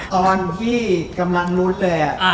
ตอนที่กำลังรู้แต่๔๕นับคล้ายของพี่เมีย